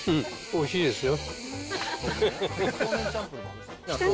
おいしいですよ。